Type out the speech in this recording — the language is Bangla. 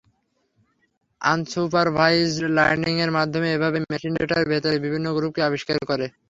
আনসুপারভাইজড লার্নিং এর মাধ্যমে এভাবেই মেশিন ডেটার ভেতরের বিভিন্ন গ্রুপকে আবিস্কার করে।